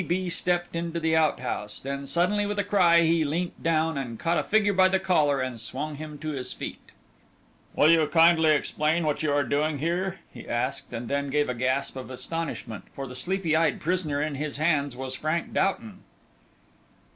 T. B. stepped into the outhouse, then suddenly with a cry he leant down, and caught a figure by the collar and swung him to his feet. "Will you kindly explain what you are doing here?" he asked, and then gave a gasp of astonishment, for the sleepy eyed prisoner in his hands was Frank Doughton.